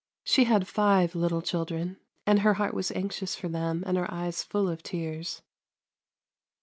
She had five little children, and her heart was anxious for them and her eyes full of tears.